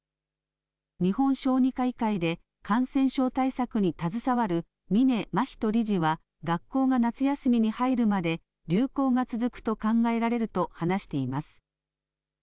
日本小児科医会で感染症対策に携わる峯眞人理事は、学校が夏休みに入るまで、流行が続くと考えられると話しています。